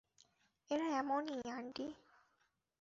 এরা এমনই, আন্টি।